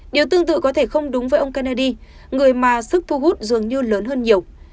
điều tương tự có thể không đúng với ông kennedy người mà sức thu hút dường như lớn hơn nhiều